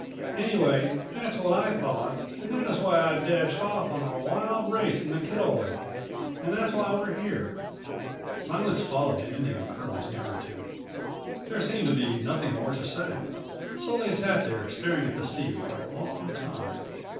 Anyway that's what I thought, and that is why I dashed off230 on a wild race in the Kittlewake. And that's why we're here." Silence followed the ending of Curlie's narrative. There seemed to be nothing more to say. So they sat there staring at the sea for a long time.